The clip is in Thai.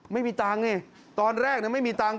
ไม่มีตังค์นี่ตอนแรกไม่มีตังค์